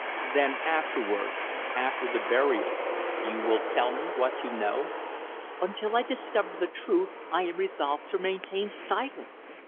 "Then afterwards after the burial you will tell me what you know?" "Until I discover the truth I am resolved to maintain silence.